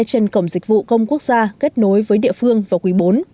trên cổng dịch vụ công quốc gia kết nối với địa phương vào quý bốn